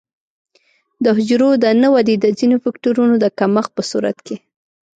د حجرو د نه ودې د ځینو فکټورونو د کمښت په صورت کې.